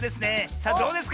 さあどうですか？